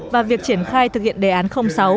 và việc triển khai thực hiện đề án sáu